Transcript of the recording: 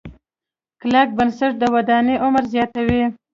کلک بنسټ د ودانۍ عمر زیاتوي.